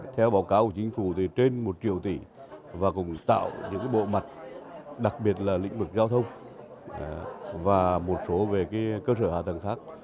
theo báo cáo của chính phủ trên một triệu tỷ và cũng tạo những bộ mặt đặc biệt là lĩnh vực giao thông và một số về cơ sở hạ tầng khác